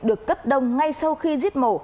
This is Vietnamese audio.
được cấp đông ngay sau khi giết mổ